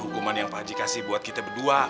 hukuman yang pakcik kasih buat kita berdua